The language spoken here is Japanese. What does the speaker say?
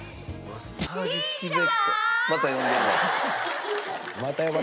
また呼んでる。